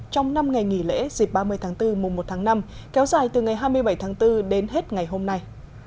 trong năm ngày nghỉ lễ dịp ba mươi tháng bốn mùa một tháng năm kéo dài từ ngày hai mươi bảy tháng bốn đến hết ngày hôm nay